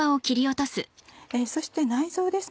そして内臓です